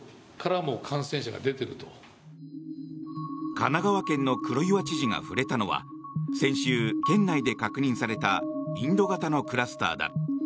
神奈川県の黒岩知事が触れたのは先週、県内で確認されたインド型のクラスターだ。